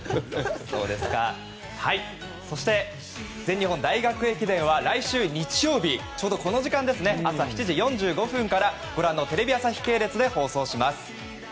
そして全日本大学駅伝は来週日曜日、ちょうどこの時間朝７時４５分からご覧のテレビ朝日系列で放送します。